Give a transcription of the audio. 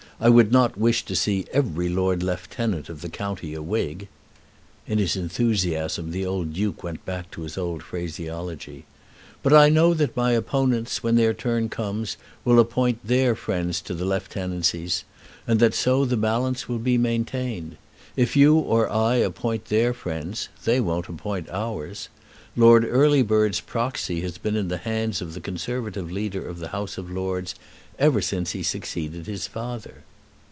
I would not wish to see every Lord Lieutenant of a county a Whig." In his enthusiasm the old Duke went back to his old phraseology. "But I know that my opponents when their turn comes will appoint their friends to the Lieutenancies, and that so the balance will be maintained. If you or I appoint their friends, they won't appoint ours. Lord Earlybird's proxy has been in the hands of the Conservative Leader of the House of Lords ever since he succeeded his father."